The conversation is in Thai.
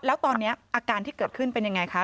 แล้วตอนนี้อาการที่เกิดขึ้นเป็นยังไงคะ